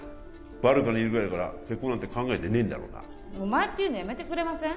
バルカにいるぐらいだから結婚なんて考えてねえんだろうなお前っていうのやめてくれません？